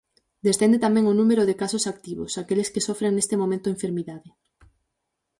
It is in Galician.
Descende tamén o número de casos activos, aqueles que sofren neste momento a enfermidade.